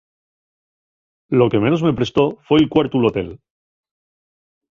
Lo que menos me prestó foi'l cuartu l'hotel.